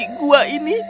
sekarang aku memasuki guam